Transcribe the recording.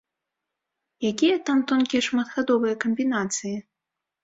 Якія там тонкія шматхадовыя камбінацыі?